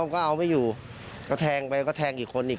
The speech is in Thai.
ก็เอาไม่อยู่ก็แทงไปก็แทงอีกคนอีก